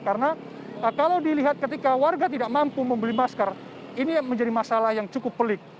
karena kalau dilihat ketika warga tidak mampu membeli masker ini menjadi masalah yang cukup pelik